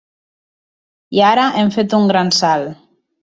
I ara hem fet un gran salt.